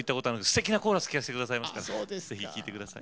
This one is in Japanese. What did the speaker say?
すてきなコーラス聴かせて下さいますから是非聴いて下さい。